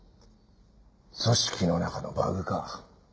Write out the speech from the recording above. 組織の中のバグか。